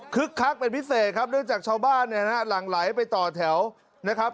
คึกคักเป็นพิเศษครับด้วยจากชาวบ้านหลั่งไหลไปต่อแถวนะครับ